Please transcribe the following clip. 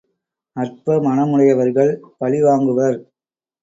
அற்ப மனமுடையவர்கள் பழிவாங்குவர்.